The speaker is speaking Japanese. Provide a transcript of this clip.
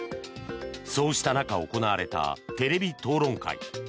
そうした中、行われたテレビ討論会。